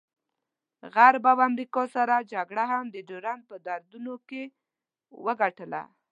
غرب او امریکا سړه جګړه هم د ډیورنډ په دردونو کې وګټله.